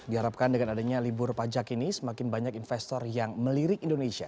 diharapkan dengan adanya libur pajak ini semakin banyak investor yang melirik indonesia